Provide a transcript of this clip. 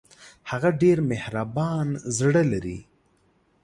هغه ډېر مهربان زړه لري